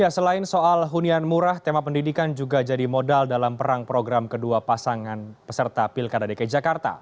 selain soal hunian murah tema pendidikan juga jadi modal dalam perang program kedua pasangan peserta pilkada dki jakarta